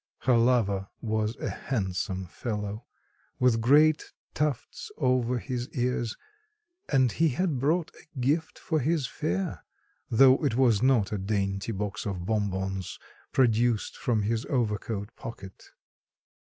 Her lover was a handsome fellow, with great tufts over his ears, and he had brought a "gift for his fair," though it was not a dainty box of bonbons produced from his overcoat pocket.